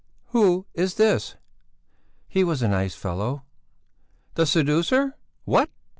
"Who is this?" "He was a nice fellow." "The seducer? What?"